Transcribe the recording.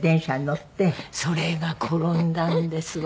それが転んだんですわ。